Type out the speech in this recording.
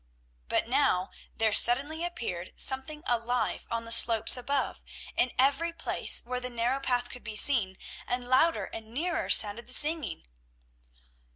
But now there suddenly appeared something alive on the slopes above, in every place where the narrow path could be seen, and louder and nearer sounded the singing.